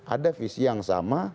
ada visi yang sama